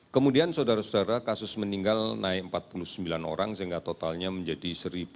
kemudian saudara saudara kasus meninggal naik empat puluh sembilan orang sehingga totalnya menjadi satu tujuh ratus tujuh puluh